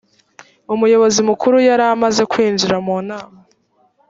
umuyobozi mukuru yari amaze kwinjira mu nama